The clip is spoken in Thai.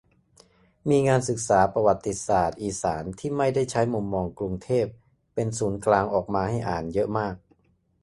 มีงานศึกษาประวัติศาสตร์อีสาน ที่ไม่ได้ใช้มุมมองกรุงเทพเป็นศูนย์กลาง ออกมาให้อ่านเยอะมาก